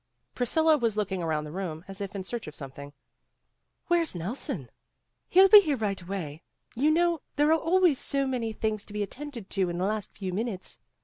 Priscilla was looking around the room as if in search of something. "Why, where 's Nelson?" ' l He '11 be here right away. You know there are always so many things to be attended to in the last few minutes."